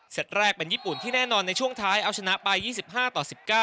แรกเป็นญี่ปุ่นที่แน่นอนในช่วงท้ายเอาชนะไป๒๕ต่อ๑๙